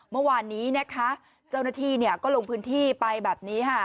เมื่อวานนี้นะคะเจ้าหน้าที่เนี่ยก็ลงพื้นที่ไปแบบนี้ค่ะ